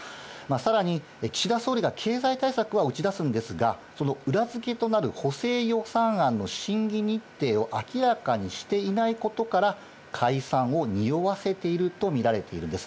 さらに、岸田総理が経済対策は打ち出すんですが、その裏付けとなる補正予算案の審議日程を明らかにしていないことから、解散をにおわせていると見られているんです。